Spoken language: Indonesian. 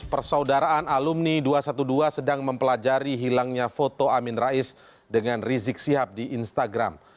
persaudaraan alumni dua ratus dua belas sedang mempelajari hilangnya foto amin rais dengan rizik sihab di instagram